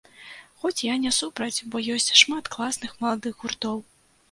Хоць я не супраць, бо ёсць шмат класных маладых гуртоў!